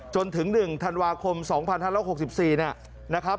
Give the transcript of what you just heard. จนถึงหนึ่งธนวาคมสองพันห้าร้อยหกสิบสี่เนี่ยนะครับ